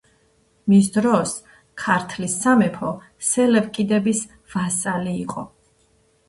მის დროს ქართლის სამეფო სელევკიდების ვასალი იყო.